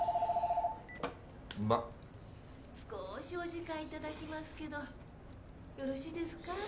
少しお時間いただきますけどよろしいですか？